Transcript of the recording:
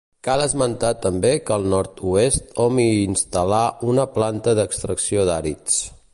Cal esmentar també que al nord-oest hom hi instal·là una planta d'extracció d'àrids.